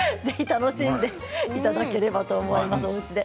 楽しんでいただければと思います。